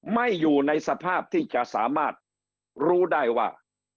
อยู่ในสภาพที่จะสามารถรู้ได้ว่า